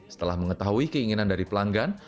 setelah mengetahui keinginan dari pelanggan